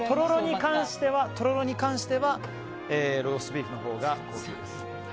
とろろに関してはローストビーフのほうが高級です。